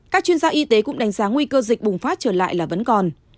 các chuyên gia y tế cũng đánh giá nguy cơ dịch bùng phát trở lại là vẫn còn